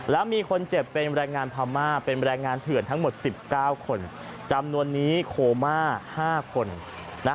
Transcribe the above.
แล้วมีคนเจ็บเป็นแรงงานพม่าเป็นแรงงานเถื่อนทั้งหมด๑๙คนจำนวนนี้โคม่า๕คนนะ